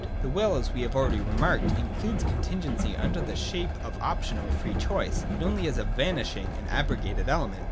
The will, as we have already remarked, includes contingency uiTHer the shape of option or free choice, but only as a vanishing and abrogated element.